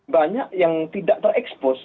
banyak yang tidak terekspos